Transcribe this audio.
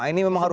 ini memang harus